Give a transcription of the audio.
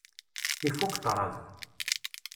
Ifukk ṭṭṛad.